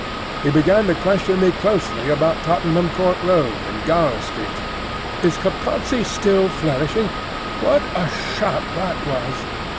He began to question me closely about Tottenham Court Road and Gower Street. "Is Caplatzi still flourishing? What a shop that was!"